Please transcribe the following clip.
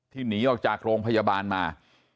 หนีออกจากโรงพยาบาลมา